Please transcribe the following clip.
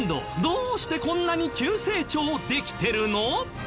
どうしてこんなに急成長できてるの？